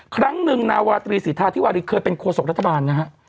ครั้งหนึ่งนาวาตรีสิทธาธิวารีเคยเป็นโฆษกรัฐบาลนะฮะ